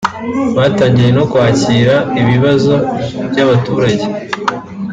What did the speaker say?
byatangiranye no kwakira ibibazo by’abaturage